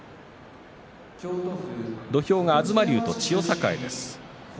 土俵が東龍と千代栄です。